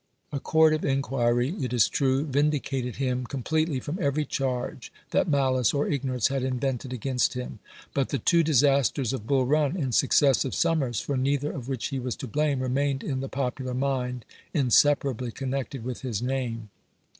A court of inquiry, it is true, vindicated him com pletely from every charge that malice or ignorance had invented against him; but the two disasters of Bull Run, in successive summers, for neither of which he was to blame, remained in the popular mind inseparably connected with his name.